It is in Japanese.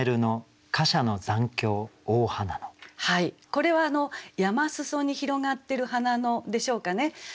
これは山裾に広がってる花野でしょうかね。